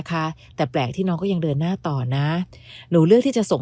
ค่ะแต่แปลกที่น้องก็ยังเดินหน้าต่อนะหนูเลือกที่จะส่ง